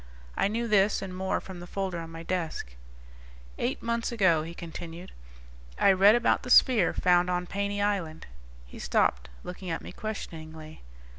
I knew this and more from the folder on my desk. "Eight months ago," he continued, "I read about the sphere found on Paney Island." He stopped, looking at me questioningly.